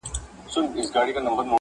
عاقبت غلیم د بل- دښمن د ځان دی- -